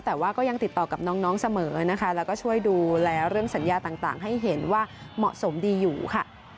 แต่ว่าก็ยังติดต่อกับน้องเสมอนะคะแล้วก็ช่วยดูแลเรื่องสัญญาต่างให้เห็นว่าเหมาะสมดีอยู่ค่ะ